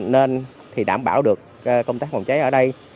nên đảm bảo được công tác phòng cháy ở đây